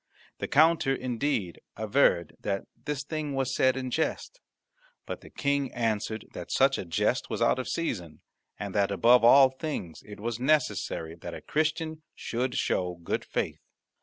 The counter, indeed, averred that this thing was said in jest; but the King answered that such a jest was out of season, and that above all things it was necessary that a Christian should show good faith.